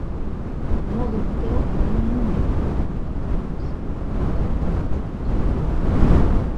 No dubteu ni un moment a posar les urnes –ha demanat Sànchez–.